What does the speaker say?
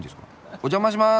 お邪魔します。